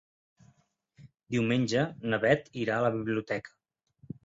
Diumenge na Bet irà a la biblioteca.